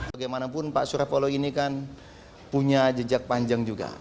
bagaimanapun pak surya paloh ini kan punya jejak panjang juga